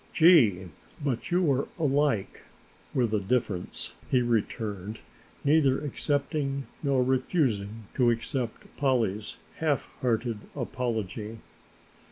"Gee, but you are alike with a difference," he returned, neither accepting nor refusing to accept Polly's half hearted apology.